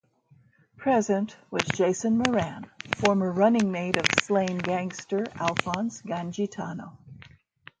Present was Jason Moran, former running mate of slain gangster Alphonse Gangitano.